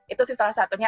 itu sih salah satunya